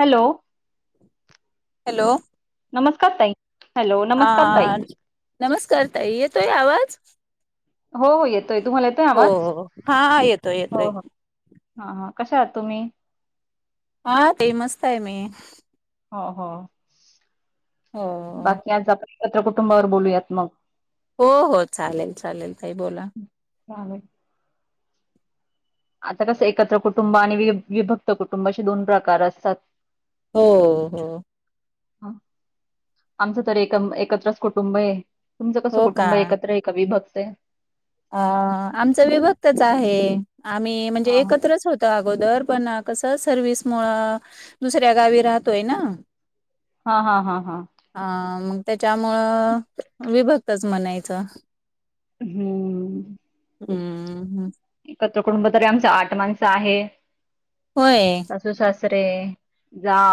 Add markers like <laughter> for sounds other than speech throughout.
Hello hello नमस्कार ताई. Hello नमस्कार ताई हा नमस्कार ताई येतोय आवाज? हो हो येतोय तुम्हाला येतोय हो आवाज? हा येतोय हो येतोय. हो. हां हां कशा आहात तुम्ही? हां ताई मस्त आहे मी. हो हो हो बाकी आज आपण एकत्र कुटुंबावर बोलूयात मग. हो हो चालेल चालेल ताई बोला. <unintelligible> आता कसं एकत्र कुटुंब आणि विभ विभक्त कुटुंब असे दोन प्रकार असतात. हो हो. ह आमचं तर एकम एकत्रच कुटुंबय. तुमचं कसं हो का कुटुंब एकत्रय का विभक्तय? अ आमच विभक्तच आहे आम्ही म्हणजे हा एकत्रच होतो अगो गोदर पणं कसं सर्वीस मुळ अ दुसऱ्या गावी राहतोय ना. हा हा हा हा. अ मग त्याच्यामुळं विभक्तच म्हणायचंय. हम्म. हम्म. एकत्र कुटुंब तरी आमच आठ माणस आहे. होय सासू सासरे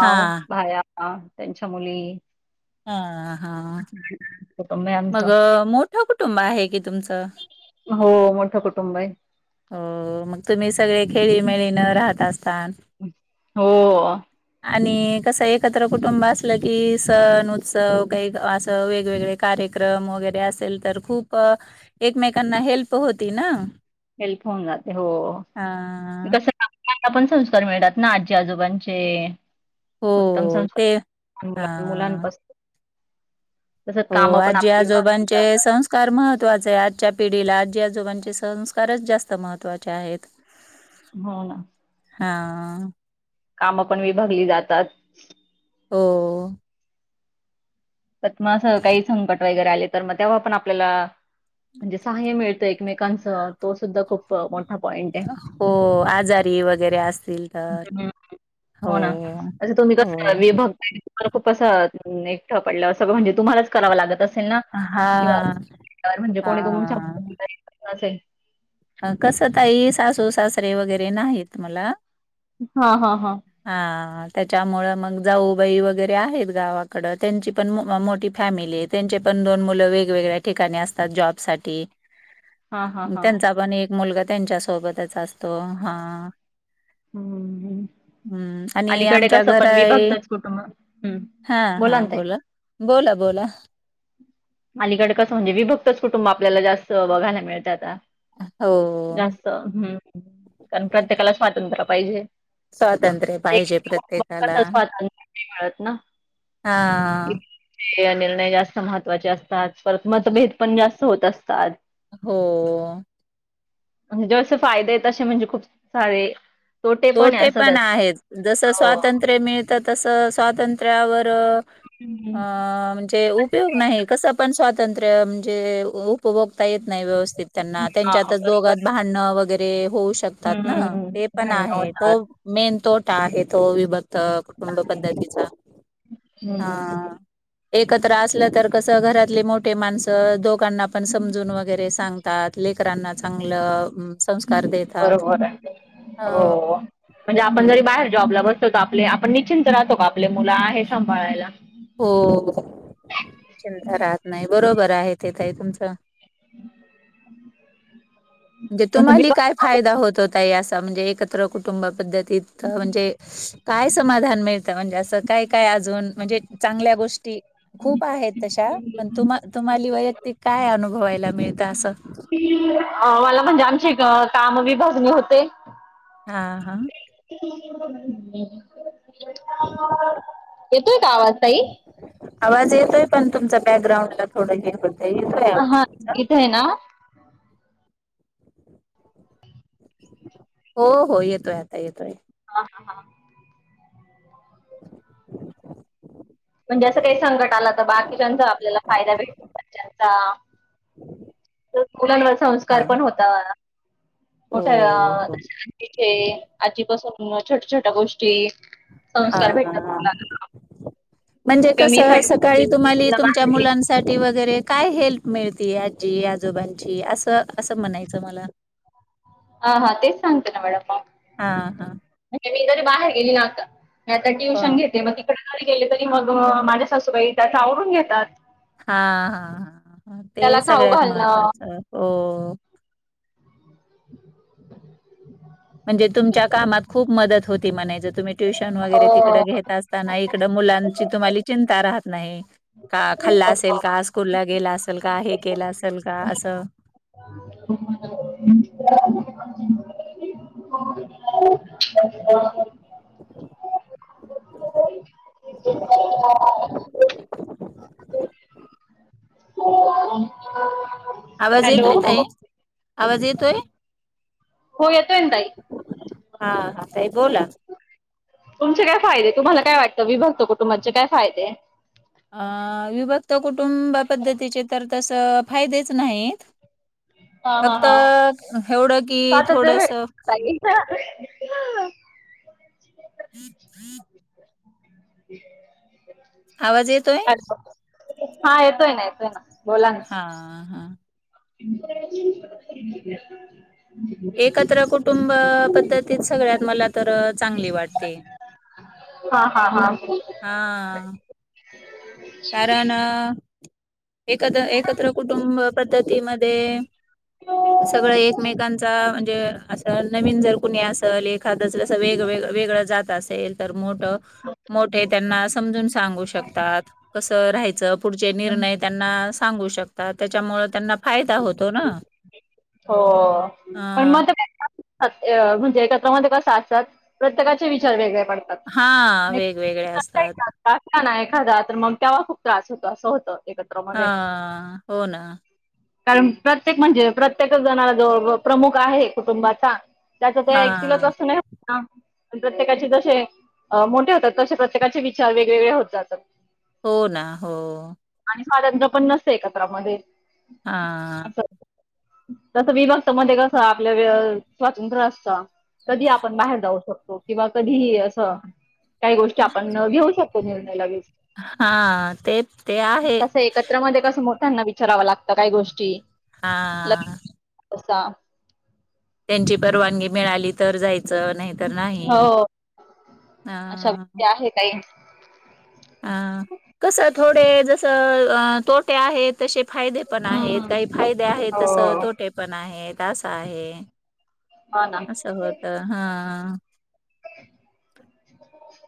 हा भाया त्यांच्या मुली हं हां. कुटुंब आहे मग आमचं अ मोठं कुटुंब आहे की तुमचं. हो मोठं कुटुंब आहे. ह अ मग तुम्ही सगळे खेळीमेळीन राहत असतान. हो. आणि कसं एकत्र कुटुंब असलं की सण उत्सव काही असं वेगवेगळे कार्य क्रम वगरे असेल तर खूप एकमेकांना हेल्प होती ना. हेल्प होऊन जाते हो हा कस <unintelligible> आपण संस्कार मिळतात ना आजी आजोबांचे. उत्तम हो ते संस्कार हा मुला मुलांपासून तसंच हो कामं पण आजी आपली विभागली आजोबांचे जातात. संस्कार महत्त्वाच, आजच्या पिढीला आजी आजोबांचे संस्कारच जास्त त महत्त्वाचे आहेत. हो ना. हं. कामं पण विभागली जातात. हो. पत म स काही संकट वगैरे आले तर, मग तेव्हा पण आपल्याला म्हणजे सहाय्य मिळत एकमेकांच तो सुद्ध खूप मोठा पॉइंट य हो आजारी वगैरे असतील तर हम्म. हो ना अस तुम्ही हो <unintelligible> खूप असं एकंट पडलं सगळं म्हणजे तुम्हालाच करावं लागत अस सेना किंवा हां म्हणजे कोणी तुमच्या हां <unintelligible> असेन. कसं ताई सासू सासरे वगैरे नाहीत मला. हा हा हा. त्याच्यामुळे मग जाऊबाई वगैरे आहेत गावाकड त्यांची पण मो मोठी फॅमिली आहे त्यांचे पण दोन मुलं वेगवेगळ्या ठिकाणी असतात जॉब साठी. हा हा हा. मुलगा त्यांच्या सोबतच असतो हा. हम्म. हम्म आणि अलीकडे आमच्या कसं घरा पण आहे विभक्तच कुटुंब हं. हा हा ना ताई. बोला. बोला बोला. आलुकडे कसं म्हणजे विभक्तच कुटुंब, आपल्याला जास्त बघायला मिळतं आता. हो जास्त हम्म कारण प्रत्येकाला स्वातंत्र पाहिजे. स्वातंत्र्य पाहिजे प्रत्येकाला. <unintelligible> ळत ना हां. हे निर्णय जास्त महत्वाचे असतात, परत मतभेद पण जास्त होत असतात. हो. म्हेणजे जसे फायदे आहे तसे म्हणजे खूप सारे. तोटे आहे तोठे असं पण त्याचं. आहेत जस हो. स्वातंत्र्य मिळतं, तस स्वातंत्र्यावर. हं. म्हणजे उपयोग नाही, कस पण स्वातंत्र म्हणजे. उपभोगता येत नाही, व्यवस्थित त्यांना हा त्यांच्यातच बरोबर. दोघात भांडणं वगैरे होऊ शकतात ना. हम्म. पण भांडणं आहे तो होतात. मेन तोटा आहे तो विभ कुटुंब पद्धतीचा हम्म. अं एकत्र असलं तर. कस घरातले मोठे माणस दो लोकांना पण समजून वगैरे सांगतात, लेकरांना चांगलं संस्कार देतात. बरोबर आहे. हां. हो. म्हणजे आपण जरी बाहेर हं. जॉबला बसतो, आपले आपण निश्चिंत राहतो का आपले मुलं आहे सांभाळायला. हो चिंता राहत नाही बरोबर आहे ते ताई तुमचं. म्हणजे तसं मी तुम्हाला काय फायदा होत होता याचा म्हणजे. एकत्र कुटुंबा पद्धतीत म्हणजे, काय समाधान मिळतं म्हणजे असं काय काय अजून म्हणजे. चांगल्या गोष्टी खूप आहेत, तशा पण तुम तुम्हाला व्यतिरिक्त. ते काय अनुभवायला मिळतं असं. अ, मला म्हणजे आमची काम बीभागनी होते. हा हां. येतोय का आवाज ताई? आवाज येतोय पण तुमच बॅकग्राउंड ला थोडं हे होतेय येतोय आवाज हां. तुमचा. इथे आहे ना हो हो येतोय आता येतोय. हा हा. म्हणजे असं काही संकट आलं तर बाकीच्यांचा आपल्याला फायदा भेटतो घरच्यांचा. मुलांवर हा संस्कार पण होता. हो मोठ्या हो <unintelligible> आजीपासून छोट्या छोट्या गोष्टी. हा संस्कार हा हा. भेटतात. म्हणजे किंवा कस मी साठी सकाळी तुम्हाली तुमच्या बाहेर गेली मुलांसाठी वगैरे. काय हेल्प मिळती आजी आजोबांची असं. असं म्हणायचं मला हा हा तेच सांगते ना मॅडम हां हां मी. मी तरी बाहेर गेली, ना आता ट्युशन हां घेते मग. री गले तरी मग माझ्या सासूबाई त्या आवरून घेतात. हा हा ह ह ते त्याला खाऊ सगळ्यात घालणं महत्वाचं हो. <inaudible> हो ते म्हणायचं तुम्ही ट्युशन वगैरे तिकड हो. घेत असताना, इकड मुलांची तुम्हा चि रात नाही का खाल्लं असेल का स्कूला गेला असल का हे केलं असेल का असं. <inaudible> ह <unintelligible> आवाज हॅलो येतोय ताई आवाज येतोय? हो येतोय ताई. हा हा ताई बोला. तुमचे फायदे ए तुम्हाला काय वाटतं विभक्त कुटुंबाचे काय फायदे. अ अ विभक्त कुटुंब पद्धतीचे तर तसं फायदेच नाहीत. हा हा फक्त हा एवढं की स्वातंत्र्य थोडस भेटत ताई <unintelligible> <unintelligible> आवाज येतोय हॅलो. हा येतोय ना येतोय ना हा हा ह <inaudible> एकत्र कुटुंब पद्धतीत सगळ्यात मला तर चांगली वाटते हा हा हा हां, कारण एकत एकत्र कुटुंब पद्धतीमध्ये <unintelligible> सगळं एकमेकांचा म्हणजे असं नवीन जर कुणी असेल एखाद असेल असं वेगवेग वेग जात अस तर मोठे त्यांना समजून सांगू शकतात कस राहायचं पुढचे निर्णय त्यांना सांगू शकतात त्याच्यामुळे त्यांना फायदा होतो ना हो पण म अ त अं म्हणजे एकत्र म्हणजे ते कस असतात प्रत्येकाचे विचार वेगळे <inaudible> खर हा वेगवेगळे असतात तर मग तेव्हा खूप त्रास होतो असं होतं एकत्र हा मध्ये. हो ना कारण प्रत्येक म्हणजे प्रत्येकच जणाला जो ब प्रमुख आहे कुटुंबाचा त्याच ते हा एक स्किलच असंत ना प्रत्येकाचे जसे मोठे होतात तसे प्रत्येकाचे विचार वेगवेगळे होत जातात हो ना हो आणि स्वातंत्र्य पण नसते एकत्रमध्ये हा तस विभक्त मध्ये कसं आपल्या वे स्वातंत्र्य असत कधी आपण बाहेर जाऊ शकतो किंवा कधीही असं काही गोष्टी आपण घेऊ शकतो निर हा ते ते आहे कस एकत्र मध्ये कस मो त्यांना विचाराव लागत काही गोष्टी ल हा. क असा ची परवानगी मिळाली तर जाय च नाही तर नाही हो अ अशा गोष्टी आहे काही अ कस थोडे जस अ तोटे आहेत तसे फायदे पण हम्म आहेत काही फायदे आहेत हो तस तोटे पण आहेत असं आहे हा ना अस होत हा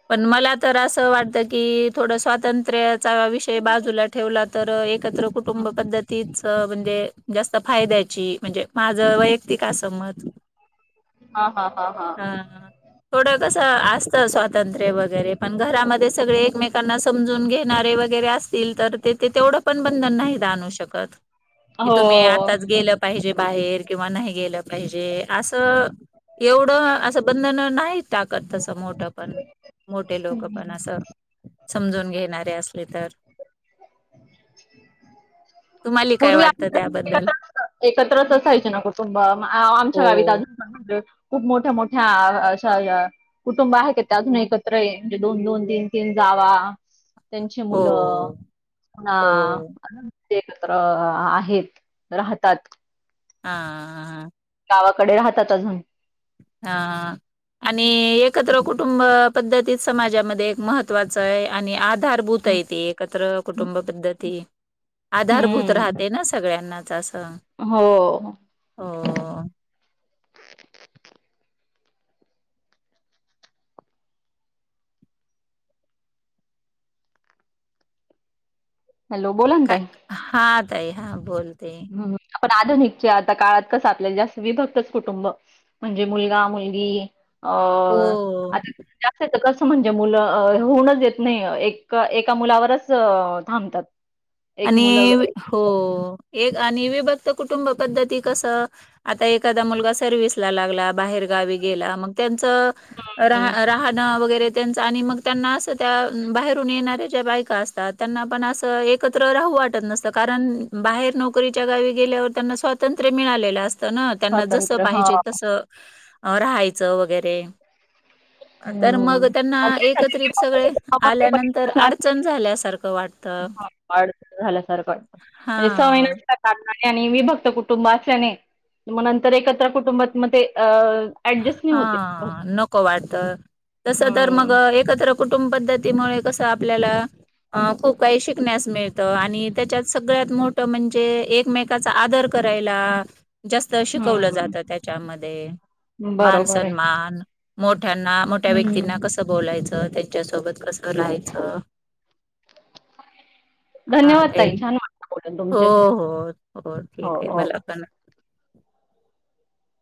पण मला तर असं वाटतं की थोडं स्वातंत्र्याचा विषय बाजूला ठेवलात तर एकत्र कुटुंब पद्धतीच अ म्हणजे जास्त फायद्याची म्हणजे माझ वैयक्तिक आसं मत हा हा थोड कस आसत स्वतः तंत्रे वगैरे पण घरामध्ये सगळे एकमेकांना समजून घेणारे वगैरे असतील तर ते ते तेवढ आपण बंधन नाही ना आणू शकत कि हो तुम्ही आताच गेलं पाहिजे बाहेर किंवा नाही गेलं पाहिजे आसं एवढं असं बंधन नाही टाकत तसं मोठं पण मोठे लोक पण असं समजून घेणारे असले तर तुम्हाला काय पूर्वी आ वाटतं त्याबद्दल <inaudible> एकत्रच असायचे ना कुटुंब आ ब आमच्या हो गावीत अजून पण म्हणजे खूप मोठ्या मोठ्या अशा या कुटुंब आहे का त्या अजून एकत्र म्हणजे दोन दोन तीन तीन जावा त्यांची हो मुलं हो पुन्हा ते तर आहेत राहतात. हां गावाकडे राहतात अजून. हां आणि एकत्र कुटुंब पद्धतीत समाजामध्ये एक महत्त्वाच आहे आणि आ आधारभूत आहे ते एकत्र कुटुंब पद्धती आधारभूत हम्म राहते ना सगळ्यांना च अस हो. हॅलो बोला ना का ताई. हां ताई हां बोल <unintelligible> आपण आधुनिकचे आता काळात कसं आपल्या जास्त विभक्तच कुटुंब म्हणजे मुलगा मुलगी अ हो आ जास्त एकत्र असं म्हणजे मुलं होऊनच देत नाही. एक एका मुलावरच थांबतात. एक मुलं आणि एक हो एक आणि विभक्त कुटुंब पद्धती कस आता एखादा मुलगा सर्विसला लागला बाहेर गावी गेला मग त्याचं हं, राह राहणं वैगे रे त्याचं आणि मग त्यांना असं त्या बाहेरून येणाऱ्या ज्या बायका असतात त्यांना पण अस एक कत्र राहू वाटत नसत. कारण, बाहेर नोकरीच्या गावी गेल्यावर त्यांना स्वातंत्र्य मिळालेलं अस त ना त्यांना जस स्वतंत्र हां, पाहिजे तसं राहायचं वगैरे तर मग हं. त्यांना मग ते एकत्रित सगळे समन्वयपणे आल्यानंतर असं अडचण झाल्यासार ख वाटतं. अडचण झाल्यासारखं वाटतं हां, म्हणजे <unintelligible> आणि विभक्त कुटुंबात असल्याने मग नंतर एकत्र कुटुंबात मग ते अ ॲडजस्ट नाही होते. हां नको वाटतं तस तर मग हं, एकत्र कुटुंब पद्धतीमुळे कसं आपल्याला अ खूप काही शिकण्यास मिळतं आणि त्याच्यात सगळ्यात मोठं म्हणजे एकमेकाचा आदर कर रायला. जास्त शिकवलं हं. जातं त्याच्यामध्ये मान बरोबर आहे. सन्मान, मो ठ्यांना मोठ्या हम्म व्यक्तींना कसं बोलायचं ते, त्याच्यासोबत कसं राहायचं? हां धन्यवाद ताई छान वाटलं बोलून हो तुमच्याशी. हो हो ठीक आहे मला पण. <inaudible>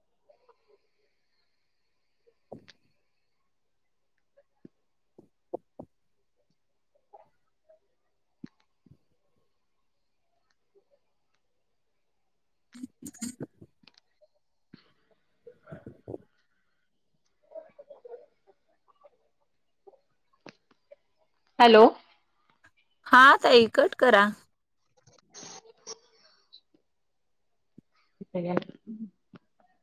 <inaudible> हॅलो. हां ताई कट करा. <inaudible>